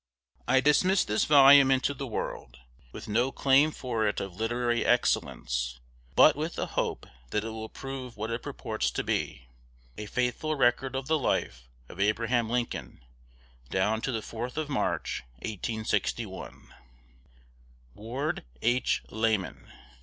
I dismiss this volume into the world, with no claim for it of literary excellence, but with the hope that it will prove what it purports to be, a faithful record of the life of Abraham Lincoln down to the 4th of March, 1861. Ward H. Lamon.